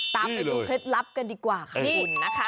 ตามไปดูเคล็ดลับกันดีกว่าค่ะคุณนะคะ